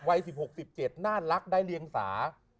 วัย๑๖๑๗น่ารักได้เลี้ยงสา